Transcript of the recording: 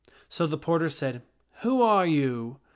So the porter said, "Who are you?"